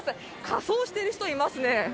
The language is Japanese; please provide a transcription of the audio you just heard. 仮装している人がいますね。